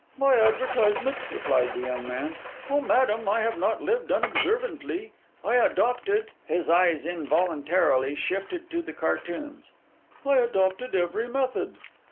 'By advertisement,' replied the young man. 'O madam, I have not lived unobservantly. I adopted'—his eyes involuntarily shifted to the cartoons—'I adopted every method.